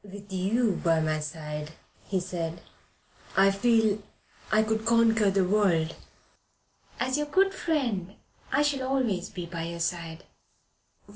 "With you by my side," said he, "I feel I could conquer the earth." "As your good friend I shall always be by your side.